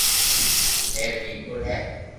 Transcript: ھير مير پور ھي